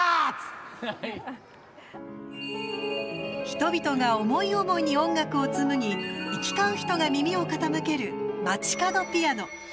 人々が思い思いに音楽を紡ぎ行き交う人が耳を傾ける街角ピアノ。